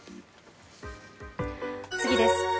次です。